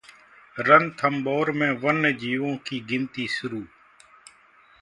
रणथम्भौर में वन्यजीवों की गिनती शुरू